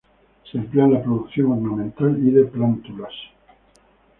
Se emplea en la producción ornamental y de plántulas.